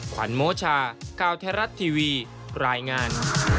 ควันโมชา๙แทรรัสทีวีรายงาน